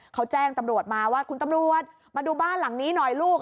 เขาแจ้งตำรวจมาว่าคุณตำรวจมาดูบ้านหลังนี้หน่อยลูก